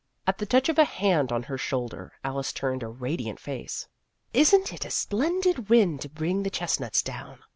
At the touch of a hand 6 Vassar Studies on her shoulder, Alice turned a radiant face. " Is n't this a splendid wind to bring the chestnuts down